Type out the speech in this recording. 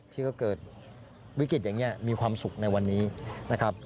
ที่ก็เกิดวิกฤตอย่างนี้มีความสุขในวันนี้นะครับ